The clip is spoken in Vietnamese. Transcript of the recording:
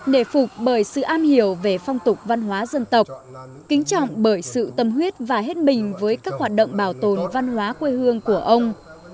để phục bởi sự am hiểu về phong tục văn hóa dân tộc kính trọng bởi sự tâm huyết và hết mình với các hoạt động bảo tồn văn hóa quê hương của ông